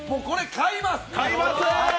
買います！